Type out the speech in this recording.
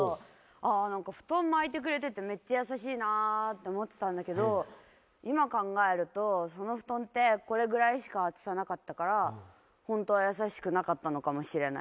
ああなんか布団巻いてくれててめっちゃ優しいなって思ってたんだけど今考えるとその布団ってこれぐらいしか厚さなかったからほんとは優しくなかったのかもしれない。